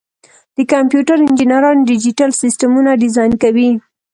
د کمپیوټر انجینران ډیجیټل سیسټمونه ډیزاین کوي.